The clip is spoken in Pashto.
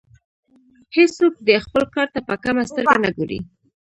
هیڅوک دې خپل کار ته په کمه سترګه نه ګوري.